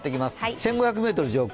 １５００ｍ上空。